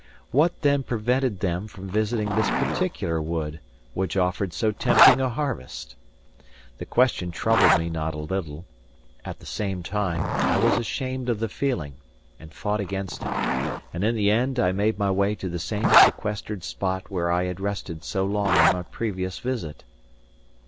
What, then, prevented them from visiting this particular wood, which offered so tempting a harvest? The question troubled me not a little; at the same time I was ashamed of the feeling, and fought against it; and in the end I made my way to the same sequestered spot where I had rested so long on my previous visit.